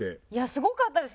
すごかったです。